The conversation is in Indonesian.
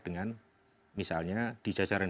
dengan misalnya di jajaran